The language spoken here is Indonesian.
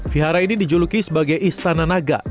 vihara ini dijuluki sebagai istana naga